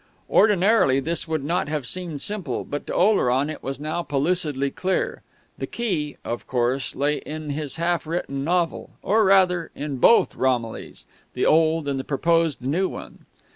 Ordinarily this would not have seemed simple, but to Oleron it was now pellucidly clear. The key, of course, lay in his half written novel or rather, in both Romillys, the old and the proposed new one.